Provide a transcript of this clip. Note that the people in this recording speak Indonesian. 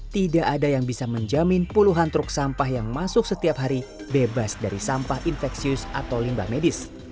tidak ada yang bisa menjamin puluhan truk sampah yang masuk setiap hari bebas dari sampah infeksius atau limbah medis